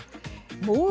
もう